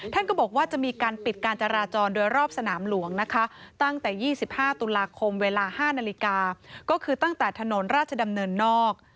ท่านก็บอกว่าจะมีการปิดการจราจรโดยรอบสนามหลวงนะคะตั้งแต่๒๕ตุลาคมเวลา๕นาฬิกาก็คือตั้งแต่ถนนราชดำเนินนอก